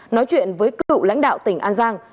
nói chuyện với cựu lãnh đạo tỉnh an giang